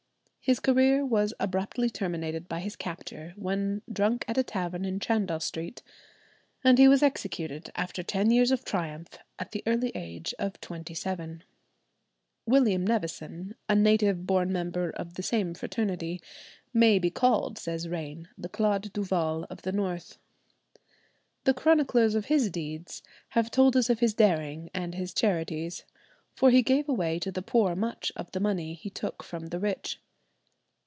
His career was abruptly terminated by his capture when drunk at a tavern in Chandos Street, and he was executed, after ten years of triumph, at the early age of twenty seven. William Nevison, a native born member of the same fraternity, may be called, says Raine, "the Claude Duval of the north. The chroniclers of his deeds have told us of his daring and his charities, for he gave away to the poor much of the money he took from the rich."